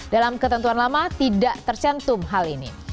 dalam ketentuan lama tidak tercantum hal ini